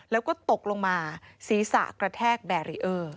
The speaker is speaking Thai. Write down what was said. แล้วก็ตกลงมาศีรษะกระแทกแบรีเออร์